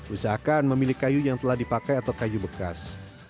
usahakan memilih kayu yang telah dipakai atau kayu bekas